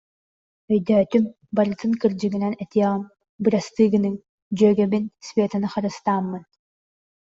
Өйдөөтүм, барытын кырдьыгынан этиэҕим, бырастыы гыныҥ, дьүөгэбин Светаны харыстааммын